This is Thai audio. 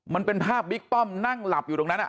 มันเป็นภาพบิ๊กป้อมนั่งหลับอยู่ตรงนั้น